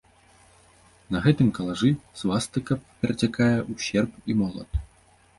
На гэтым калажы свастыка перацякае ў серп і молат.